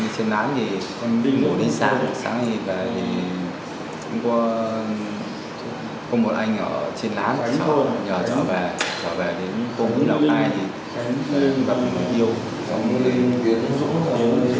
trên lá thì ngủ đến sáng sáng thì về thì có một anh ở trên lá nhờ trở về trở về đến công an lào cai thì yêu